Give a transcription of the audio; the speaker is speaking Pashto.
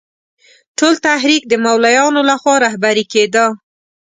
ټول تحریک د مولویانو له خوا رهبري کېده.